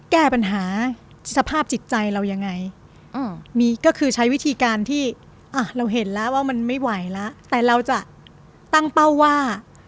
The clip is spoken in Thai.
แก้ปัญหาสภาพจิตใจเรายังไงมีก็คือใช้วิธีการที่อ่ะเราเห็นแล้วว่ามันไม่ไหวแล้วแต่เราจะตั้งเป้าว่า